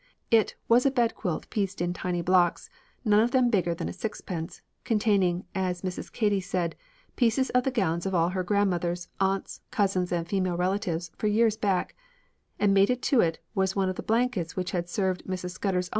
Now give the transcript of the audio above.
It "was a bed quilt pieced in tiny blocks, none of them bigger than a sixpence, containing, as Mrs. Katy said, pieces of the gowns of all her grandmothers, aunts, cousins, and female relatives for years back; and mated to it was one of the blankets which had served Mrs. Scudder's uncle in his bivouac at Valley Forge."